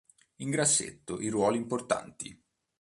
In grassetto i ruoli importanti.